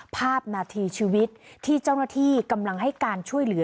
ภาพนาทีชีวิตที่เจ้าหน้าที่กำลังให้การช่วยเหลือ